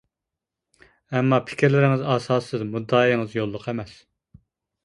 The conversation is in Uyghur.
ئەمما پىكىرلىرىڭىز ئاساسسىز، مۇددىئايىڭىز يوللۇق ئەمەس.